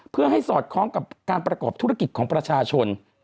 เพื่อให้สอดคล้องกับการประกอบธุรกิจของประชาชน